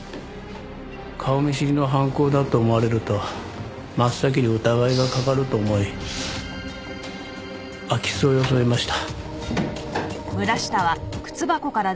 顔見知りの犯行だと思われると真っ先に疑いがかかると思い空き巣を装いました。